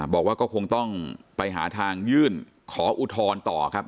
บอกว่าก็คงต้องไปหาทางยื่นขออุทธรณ์ต่อครับ